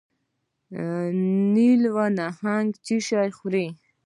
نیلي نهنګ څه شی خوري؟